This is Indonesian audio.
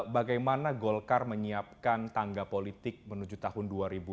bagaimana golkar menyiapkan tangga politik menuju tahun dua ribu dua puluh